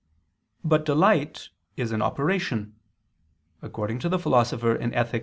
But delight is an operation, according to the Philosopher (Ethic.